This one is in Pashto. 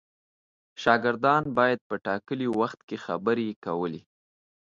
شاګردان باید په ټاکلي وخت کې خبرې کولې.